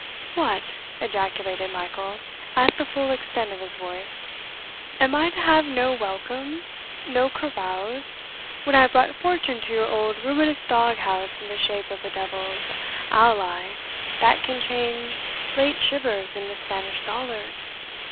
"What!" ejaculated Michael, at the full extent of his voice, "am I to have no welcome, no carouse, when I have brought fortune to your old, ruinous dog house in the shape of a devil's ally, that can change slate shivers into Spanish dollars?